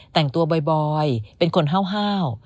แต่งตัวบ่อยเป็นคนห้าว